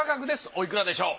おいくらでしょう？